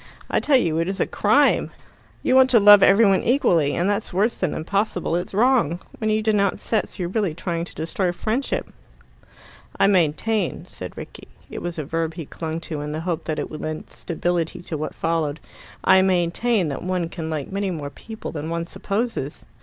I tell you it is a crime. You want to love every one equally, and that's worse than impossible it's wrong. When you denounce sets, you're really trying to destroy friendship." "I maintain," said Rickie it was a verb he clung to, in the hope that it would lend stability to what followed "I maintain that one can like many more people than one supposes."